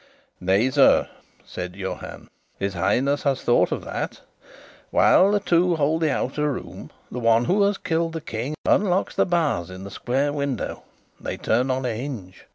"Nay, sir," said Johann, "his Highness has thought of that. While the two hold the outer room, the one who has killed the King unlocks the bars in the square window (they turn on a hinge).